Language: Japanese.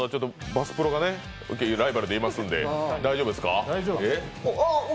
バスプロがライバルでいますので、大丈夫ですか？